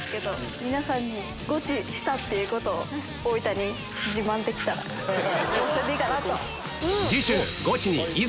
皆さんにゴチしたってことを大分に自慢できたらそれでいいかなと。